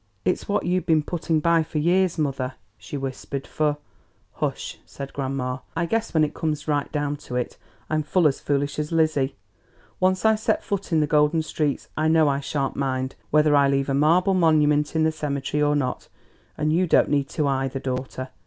"It's what you've been putting by for years, mother," she whispered, "for " "Hush!" said grandma. "I guess when it comes right down to it I'm full as foolish as Lizzie. Once I set foot in the golden streets I know I sha'n't mind whether I leave a marble monument in the cemetery or not; and you don't need to either, daughter.